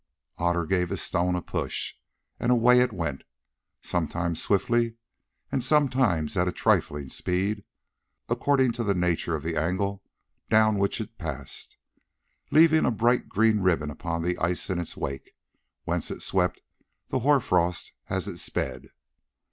Otter gave his stone a push, and away it went, sometimes swiftly and sometimes at a trifling speed, according to the nature of the angle down which it passed, leaving a bright green ribbon upon the ice in its wake, whence it swept the hoar frost as it sped.